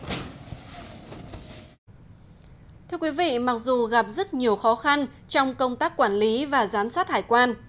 thưa quý vị mặc dù gặp rất nhiều khó khăn trong công tác quản lý và giám sát hải quan